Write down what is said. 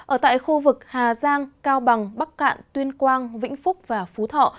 ở tại khu vực hà giang cao bằng bắc cạn tuyên quang vĩnh phúc và phú thọ